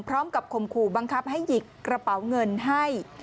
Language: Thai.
ข่มขู่บังคับให้หยิกกระเป๋าเงินให้